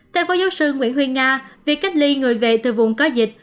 theo phó giáo sư nguyễn huy nga việc cách ly người về từ vùng có dịch